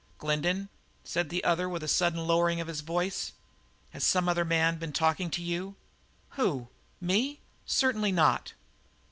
"Glendin," said the other with a sudden lowering of his voice, "has some other man been talking to you?" "Who? Me? Certainly not."